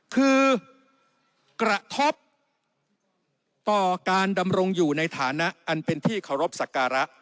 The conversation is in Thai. คือกระทบต่อการดำรงอยู่ในฐานะอันเป็นที่เคารพสักการะ